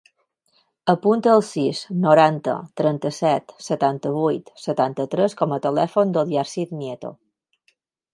Apunta el sis, noranta, trenta-set, setanta-vuit, setanta-tres com a telèfon del Yassir Nieto.